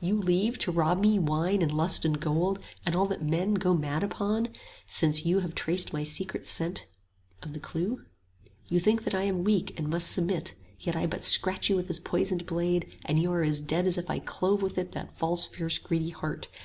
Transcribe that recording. You leave, to rob me, wine and lust and gold And all that men go mad upon, since you Have traced my sacred secret of the clue? 30 You think that I am weak and must submit Yet I but scratch you with this poisoned blade, And you are dead as if I clove with it That false fierce greedy heart.